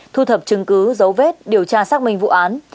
thu thập chứng cứ dấu vết điều tra xác minh vụ án